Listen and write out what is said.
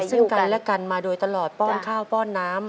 ซึ่งกันและกันมาโดยตลอดป้อนข้าวป้อนน้ำ